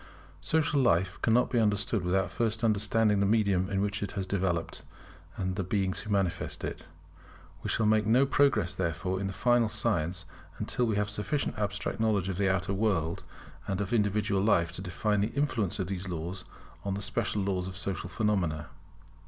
Social life cannot be understood without first understanding the medium in which it is developed, and the beings who manifest it. We shall make no progress, therefore, in the final science until we have sufficient abstract knowledge of the outer world and of individual life to define the influence of these laws on the special laws of social phenomena.